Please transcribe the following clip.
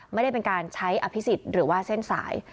ไม่ได้เป็นการใช้อภิษฎหรือว่าเส้นสาย